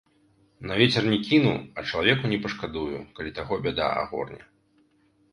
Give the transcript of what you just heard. На вецер не кіну, а чалавеку не пашкадую, калі таго бяда агорне.